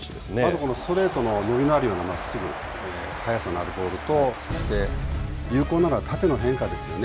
まずこのストレートの伸びのあるような速さのあるボールとそして有効なのは縦の変化ですよね。